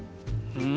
うん？